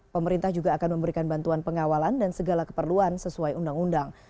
pemerintah juga akan memberikan bantuan pengawalan dan segala keperluan sesuai undang undang